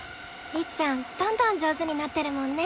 りっちゃんどんどん上手になってるもんね。